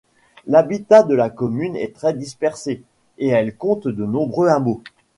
L'habitat de la commune est très dispersé, et elle compte de nombreux hameaux.